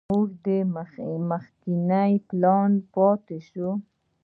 زموږ مخکينى پلان پاته سو.